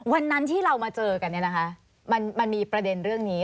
วันนั้นที่เรามาเจอกันเนี่ยนะคะมันมีประเด็นเรื่องนี้